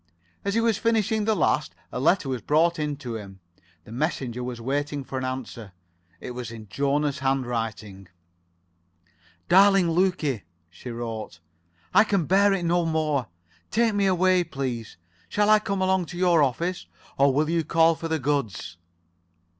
As he was finishing the last a letter was brought in to him. The messenger was waiting for an answer. It was in Jona's handwriting. [Pg 72]"Darling Lukie," she wrote, "I can bear it no more. Take me away, please. Shall I come along to your office, or will you call for the goods?